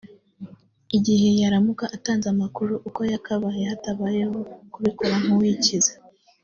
igihe yaramuka atanze amakuru uko yakabaye hatabayeho kubikora nk’uwikiza